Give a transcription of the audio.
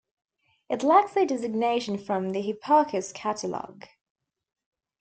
It lacks a designation from the Hipparcos catalogue.